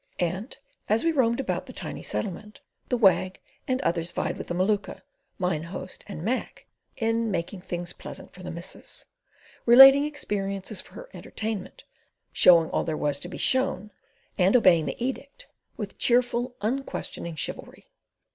And as we roamed about the tiny Settlement, the Wag and others vied with the Maluka, Mine Host, and Mac in "making things pleasant for the missus": relating experiences for her entertainment; showing all there was to be shown, and obeying the edict with cheerful, unquestioning chivalry.